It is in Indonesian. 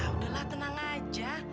alah udahlah tenang aja